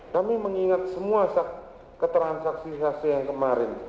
kami mengingat semua ketransaksi saksi yang kemarin